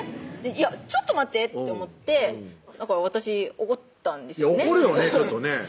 いやちょっと待ってって思ってだから私怒ったんですよね怒るよねちょっとね